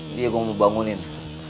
ini yang gue mau bangunin